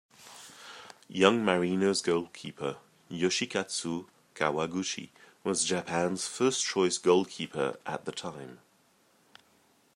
Young Marinos goalkeeper, Yoshikatsu Kawaguchi was Japan's first choice goalkeeper at the time.